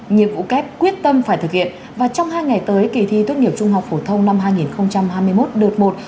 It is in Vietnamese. nhiệm vụ kép quyết tâm phải thực hiện và trong hai ngày tới kỳ thi tốt nghiệp trung học phổ thông năm hai nghìn hai mươi một đợt một